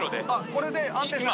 これで安定した？